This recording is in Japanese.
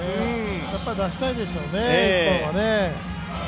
やっぱ出したいでしょうね、１本はね。